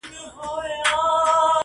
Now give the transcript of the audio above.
د انګريز تر ولکې لاندي